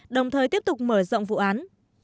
đồng thời tiếp tục mở rộng vụ án